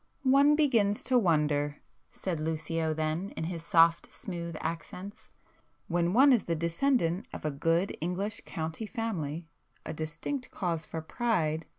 "One begins to wonder,"—said Lucio then in his soft smooth accents—"when one is the descendant of a good English county family,—a distinct cause for pride!